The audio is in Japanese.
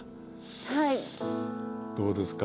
はいどうですか？